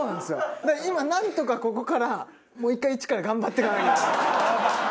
だから今なんとかここからもう１回一から頑張っていかなきゃいけない。